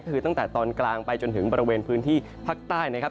คือตั้งแต่ตอนกลางไปจนถึงบริเวณพื้นที่ภาคใต้นะครับ